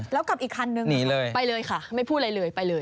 แล้วกลับอีกคันนึงหนีเลยไปเลยค่ะไม่พูดอะไรเลยไปเลย